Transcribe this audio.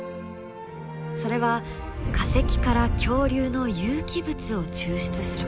それは化石から恐竜の有機物を抽出すること。